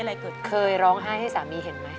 เปลี่ยนเพลงเพลงเก่งของคุณและข้ามผิดได้๑คำ